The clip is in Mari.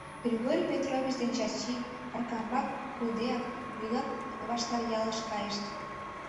Григорий Петрович ден Чачи, Аркамбак пурыдеак, вигак Ваштаръялыш кайышт.